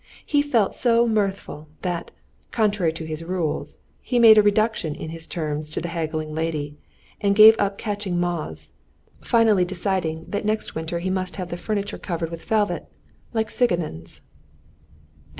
He felt so mirthful that, contrary to his rules, he made a reduction in his terms to the haggling lady, and gave up catching moths, finally deciding that next winter he must have the furniture covered with velvet, like Sigonin's.